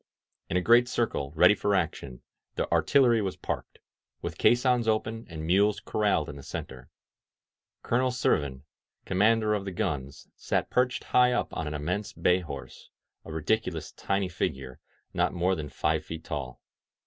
••• In a great circle, ready for action, the artillery was parked, with caissons open and mules corralled in the center. Colonel Servin, commander of the guns, sat perched high up on an immense bay horse, a ridiculous tiny figure, not more than five feet tall.